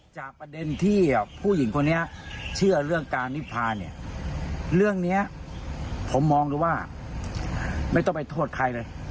จากประเด็นที่ผู้หญิงคนนี้เชื่อเรื่องการนิพาเนี่ยเรื่องนี้ผมมองดูว่าไม่ต้องไปโทษใครเลย